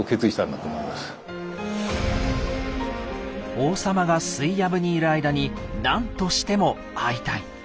王様がスイヤブにいる間に何としても会いたい。